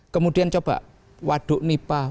kemudian coba waduk nipah waduk jati gede